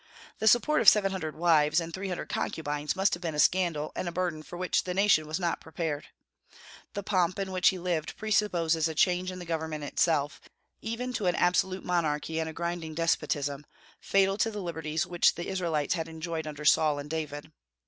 The support of seven hundred wives and three hundred concubines must have been a scandal and a burden for which the nation was not prepared. The pomp in which he lived presupposes a change in the government itself, even to an absolute monarchy and a grinding despotism, fatal to the liberties which the Israelites had enjoyed under Saul and David.